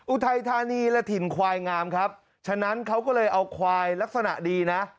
อุทัยธานีและถิ่นควายงามครับฉะนั้นเขาก็เลยเอาควายลักษณะดีนะ